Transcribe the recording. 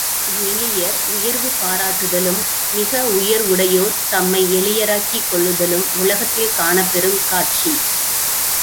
எளியர், உயர்வு பாராட்டுதலும், மிக உயர்வுடையோர் தம்மை எளியராக்கிக் கொள்ளுதலும் உலகத்தில் காணப்பெறும் காட்சி.